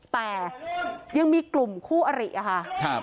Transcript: แต่ยังมีกลุ่มคู่อริค่ะ